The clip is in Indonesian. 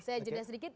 saya jelaskan sedikit